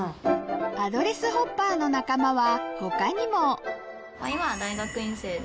アドレスホッパーの仲間は他にも今は大学院生で。